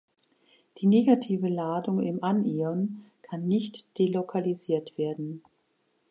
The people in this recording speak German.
Die negative Ladung im Anion kann nicht delokalisiert werden.